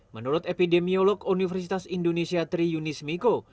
menurut epidemiolog universitas indonesia tri yunis miko